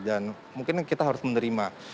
dan mungkin kita harus menerima